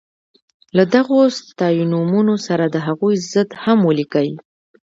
له دغو ستاینومونو سره د هغوی ضد هم ولیکئ.